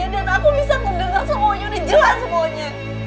dan aku bisa mendengar semuanya dan jelas semuanya